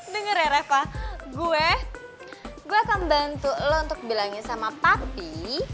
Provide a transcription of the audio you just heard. dengar ya reva gue akan bantu lo untuk bilangin sama papi